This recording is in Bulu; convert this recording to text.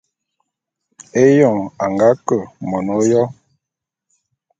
Éyoň a nga ke mon ôyo.